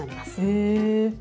へえ。